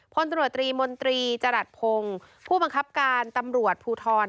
พลตรวจตรีมนตรีจรัสพงศ์ผู้บังคับการตำรวจภูทร